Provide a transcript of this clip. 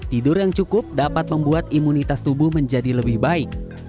tidur yang cukup dapat membuat imunitas tubuh menjadi lebih baik